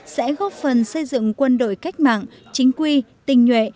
sẽ góp phần xây dựng quân đội cách mạng chính quy tình nhuệ